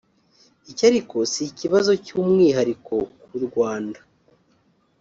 Iki ariko si ikibazo cy’umwihariko k’ u Rwanda